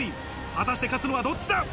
果たして勝つのはどっちだ？